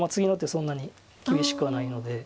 そんなに厳しくはないので。